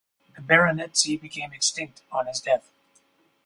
The baronetcy became extinct on his death.